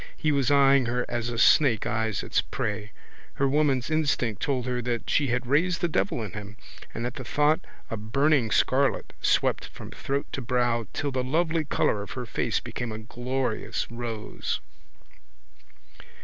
He was eying her as a snake eyes its prey. Her woman's instinct told her that she had raised the devil in him and at the thought a burning scarlet swept from throat to brow till the lovely colour of her face became a glorious rose.